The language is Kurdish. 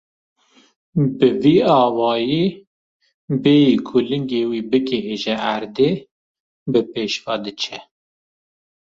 Bi vî awayî bêyî ku lingê wî bigihîje erdê, bi pêş ve diçe.